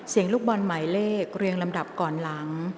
ลูกบอลหมายเลขเรียงลำดับก่อนหลัง